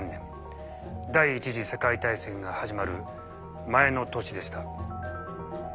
第一次世界大戦が始まる前の年でした。